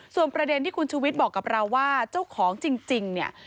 ส่วนประเด็นที่คุณชูวิทย์บอกกับเราว่าเจ้าของจริงเนี่ย